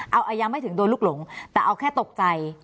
เอาอายังไม่ถึงโดนลูกหลงแต่เอาแค่ตกใจ